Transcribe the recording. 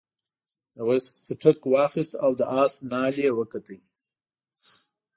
میرويس څټک واخیست او د آس نال یې وکتل.